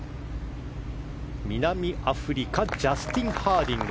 南アフリカジャスティン・ハーディング。